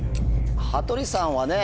羽鳥さんはね